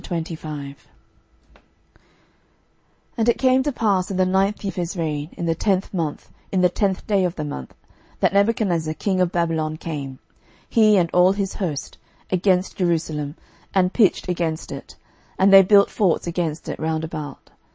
12:025:001 And it came to pass in the ninth year of his reign, in the tenth month, in the tenth day of the month, that Nebuchadnezzar king of Babylon came, he, and all his host, against Jerusalem, and pitched against it; and they built forts against it round about.